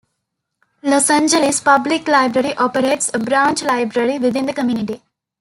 Los Angeles Public Library operates a branch library within the community.